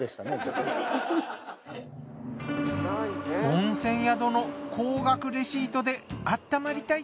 温泉宿の高額レシートであったまりたい！